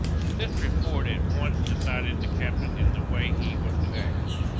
This report as once decided the captain in the way he was to act.